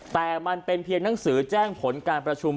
แต่มันเป็นเพียงหนังสือแจ้งผลการประชุม